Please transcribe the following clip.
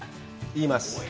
言います。